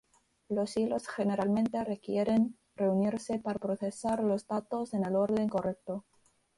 Los hilos generalmente requieren reunirse para procesar los datos en el orden correcto.